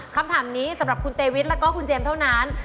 คำถามนี้สำหรับคุณเตวิทแล้วก็คุณเจมส์เท่านั้น